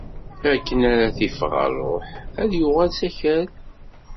Akken ara t-iffeɣ ṛṛuḥ, ad yuɣal s akal.